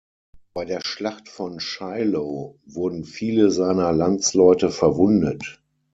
Bei der Schlacht von Shiloh wurden vieler seiner Landsleute verwundet.